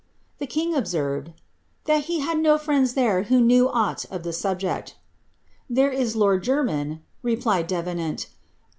The king observed •* tliat he had no friends there who knew aught of the aubjecL" *• There is lord Jermyn," replied Davenant.